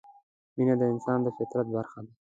مینه د انسان د فطرت برخه ده.